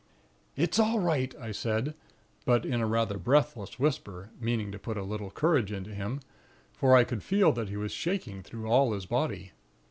"'It's all right,' I said, but in a rather breathless whisper, meaning to put a little courage into him; for I could feel that he was shaking through all his body.